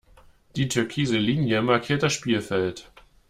Die türkise Linie markiert das Spielfeld.